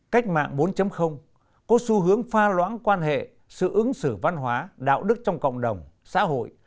cách mạng bốn có xu hướng pha loãng quan hệ sự ứng xử văn hóa đạo đức trong cộng đồng xã hội